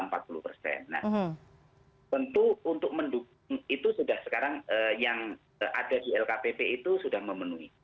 nah tentu untuk mendukung itu sudah sekarang yang ada di lkpp itu sudah memenuhi